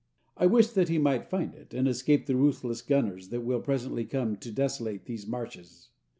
I wished that he might find it, and escape the ruthless gunners that will presently come to desolate these marshes.